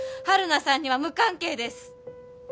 晴汝さんには無関係です。